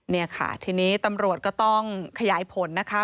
นี่ค่ะทีนี้ตำรวจก็ต้องขยายผลนะคะ